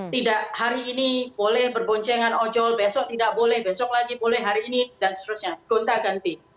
tidak hari ini boleh berboncengan ojol besok tidak boleh besok lagi boleh hari ini dan seterusnya gonta ganti